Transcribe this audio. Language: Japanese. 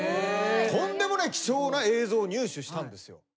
とんでもない貴重な映像を入手したんですよ。